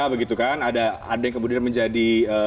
begitu kan ada yang kemudian menjadi